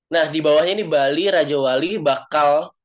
nah di bawahnya ini bali raja wali bakal